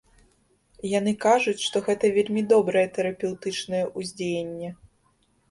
Яны кажуць, што гэта вельмі добрае тэрапеўтычнае ўздзеянне.